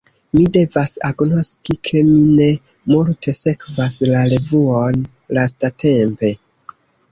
Mi devas agnoski, ke mi ne multe sekvas la revuon lastatempe.